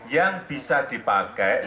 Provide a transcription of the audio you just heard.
yang bisa dipakai